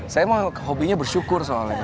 saya emang hobinya bersyukur soalnya